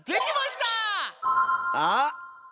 あっ！